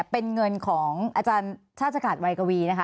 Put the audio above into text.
เป็นเงินของอาจารย์ชาติกาศวัยกวีนะคะ